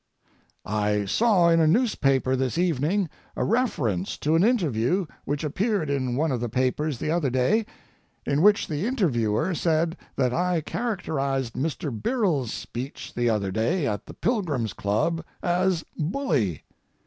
I saw in a newspaper this evening a reference to an interview which appeared in one of the papers the other day, in which the interviewer said that I characterized Mr. Birrell's speech the other day at the Pilgrims' Club as "bully."